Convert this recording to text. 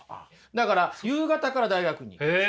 だから夕方から大学院に行くんです。